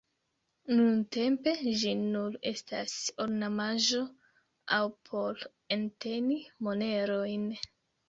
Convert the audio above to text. Nuntempe ĝi nur estas ornamaĵo aŭ por enteni monerojn.